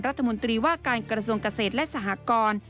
รัฐมนตรีว่าการกระทรวงเกษตรและสหกร